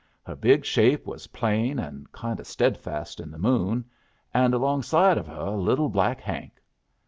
Her big shape was plain and kind o' steadfast in the moon, and alongside of her little black Hank!